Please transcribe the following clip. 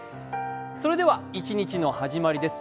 それでは一日の始まりです。